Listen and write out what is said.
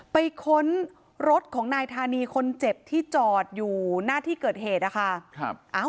ค้นรถของนายธานีคนเจ็บที่จอดอยู่หน้าที่เกิดเหตุนะคะ